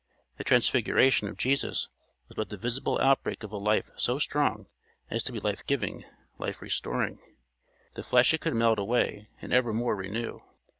The transfiguration of Jesus was but the visible outbreak of a life so strong as to be life giving, life restoring. The flesh it could melt away and evermore renew.